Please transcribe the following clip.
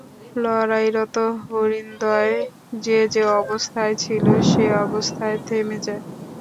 লড়াইরত হরিণদ্বয় যে যে অবস্থায় ছিল সে অবস্থায় থেমে যায়।